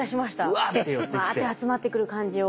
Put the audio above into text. うわって集まってくる感じを。